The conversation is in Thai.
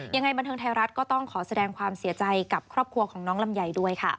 ยังไงบันเทิงไทยรัฐก็ต้องขอแสดงความเสียใจกับครอบครัวของน้องลำไยด้วยค่ะ